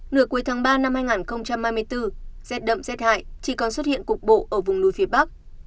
nửa cuối tháng ba năm hai nghìn hai mươi bốn rét đậm rét hại chỉ còn xuất hiện cục bộ ở vùng núi phía bắc